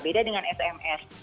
beda dengan sms